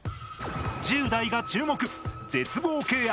１０代が注目絶望系